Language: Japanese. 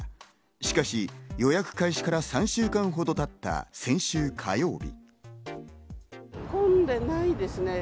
しかし予約開始から３週間ほど経った先週火曜日。